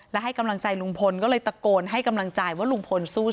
และให้กำลังใจลุงพลก็เลยตะโกนให้กำลังใจว่าลุงพลสู้